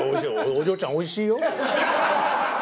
お嬢ちゃんおいしいよ！